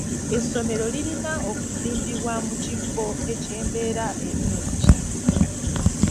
Essomero lirina okuzimbibwa mu kifo eky'embeera ennungi.